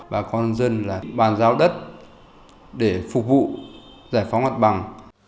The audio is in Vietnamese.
bà con dân là bàn giao đất để phục vụ giải phóng mặt bằng